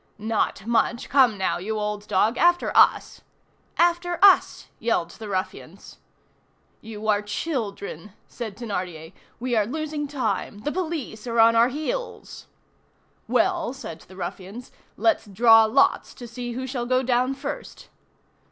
"Not much, come now, you old dog, after us!" "After us!" yelled the ruffians. "You are children," said Thénardier, "we are losing time. The police are on our heels." "Well," said the ruffians, "let's draw lots to see who shall go down first."